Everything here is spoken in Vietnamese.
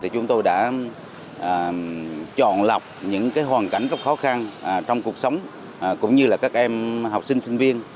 chúng tôi đã chọn lọc những hoàn cảnh rất khó khăn trong cuộc sống cũng như các em học sinh sinh viên